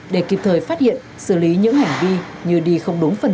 để kịp thời phát hiện xử lý những hành vi như đi không đúng phần